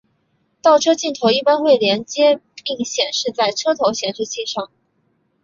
倒车镜头一般会连结并显示在车头显示器上。